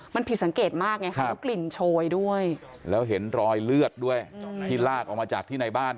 มันผิดสังเกตมากไงค่ะแล้วกลิ่นโชยด้วยแล้วเห็นรอยเลือดด้วยที่ลากออกมาจากที่ในบ้าน